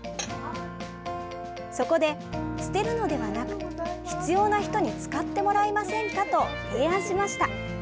そこで、捨てるのではなく必要な人に使ってもらいませんかと提案しました。